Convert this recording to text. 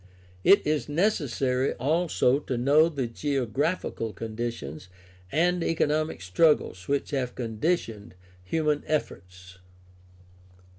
It is necessary also to know the geographical conditions and economic struggles which have conditioned human efforts.